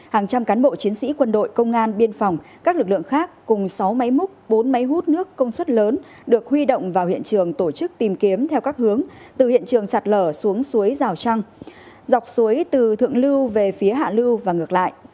hàng trăm cán bộ chiến sĩ quân đội công an biên phòng các lực lượng khác cùng sáu máy múc bốn máy hút nước công suất lớn được huy động vào hiện trường tổ chức tìm kiếm theo các hướng từ hiện trường sạt lở xuống suối rào trăng dọc suối từ thượng lưu về phía hạ lưu và ngược lại